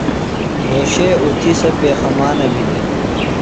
رھوشے اُتھیۡ سےۡ پیخَمانہ بِھلیۡ۔